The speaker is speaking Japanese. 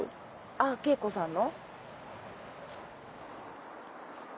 あぁ敬子さんの？